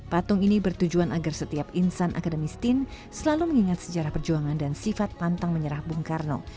patung ini bertujuan agar setiap insan akademis tim selalu mengingat sejarah perjuangan dan sifat pantang menyerah bung karno